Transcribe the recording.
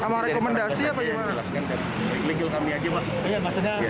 sama rekomendasi apa gimana